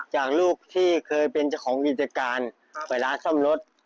จากลูกที่เคยเป็นของวิธีการเวลาซ่อมรถ